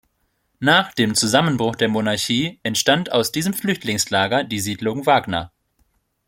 Nach dem Zusammenbruch der Monarchie entstand aus diesem Flüchtlingslager die Siedlung Wagna.